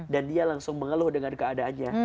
dan dia langsung mengaluh dengan keadaannya